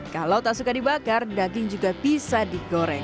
kalau tak suka dibakar daging juga bisa digoreng